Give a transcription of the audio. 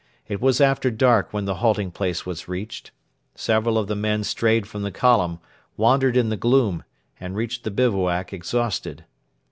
It was after dark when the halting place was reached. Several of the men strayed from the column, wandered in the gloom, and reached the bivouac exhausted.